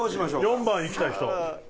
４番いきたい人？